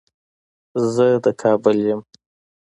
زه د کابل يم